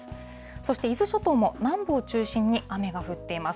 そして伊豆諸島も、南部を中心に雨が降っています。